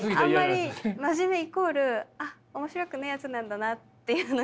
あんまり真面目イコールあっ面白くねえやつなんだなっていうのに。